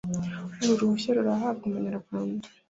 Uru ruhushya ruhabwa umunyamahanga